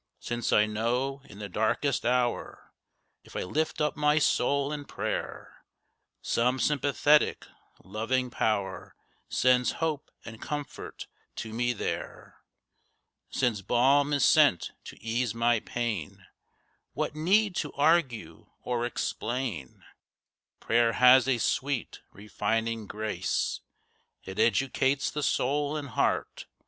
Since I know in the darkest hour, If I lift up my soul in prayer, Some sympathetic, loving Power Sends hope and comfort to me there. Since balm is sent to ease my pain, What need to argue or explain? Prayer has a sweet, refining grace, It educates the soul and heart.